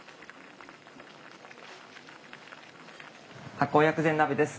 醗酵薬膳鍋です。